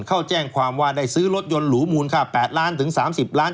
เข้าแจ้งความว่าได้ซื้อรถยนต์หรูมูลค่า๘ล้านถึง๓๐ล้าน